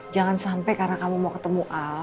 jangan sampai karena kamu mau ketemu al